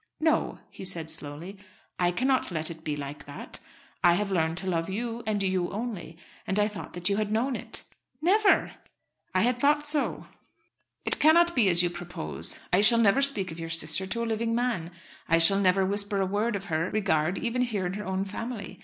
"No," he said slowly, "I cannot let it be like that. I have learned to love you and you only, and I thought that you had known it." "Never!" "I had thought so. It cannot be as you propose. I shall never speak of your sister to a living man. I shall never whisper a word of her regard even here in her own family.